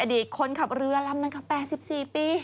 อดีตคนขับเรือลำนั้นค่ะ๘๔ปี